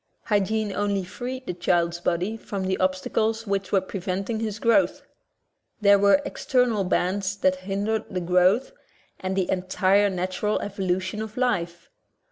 '' Hygiene only freed the child's body from the obstacles which were preventing his growth. There were external bands that hindered the growth and the entire natural evolution of life.